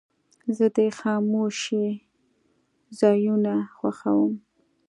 زه د خاموشۍ ځایونه خوښوم.